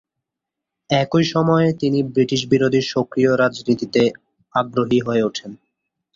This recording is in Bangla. একই সময়ে তিনি ব্রিটিশবিরোধী সক্রিয় রাজনীতিতে আগ্রহী হয়ে ওঠেন।